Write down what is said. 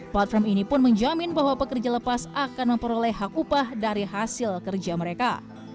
platform ini pun menjamin bahwa pekerja lepas akan memperoleh hak upah dari hasil kerja mereka